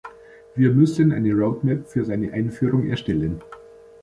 Wir müssen eine Road Map für seine Einführung erstellen.